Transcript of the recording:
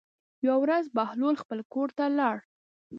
یوه ورځ بهلول خپل کور ته لاړ.